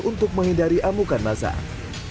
untuk menghindari amukan masak